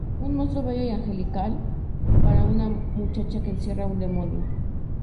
Un rostro bello y angelical, para una muchacha que encierra a un demonio.